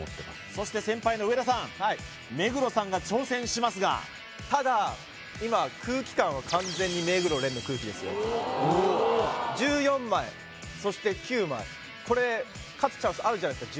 そして先輩の上田さんはい目黒さんが挑戦しますがただ今空気感は１４枚そして９枚これ勝つチャンスあるんじゃないですか